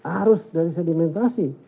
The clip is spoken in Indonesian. arus dari sedimentasi